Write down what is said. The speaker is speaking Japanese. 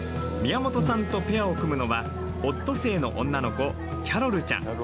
宮本さんとペアを組むのはオットセイの女の子キャロルちゃん。